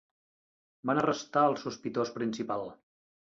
Van arrestar el sospitós principal.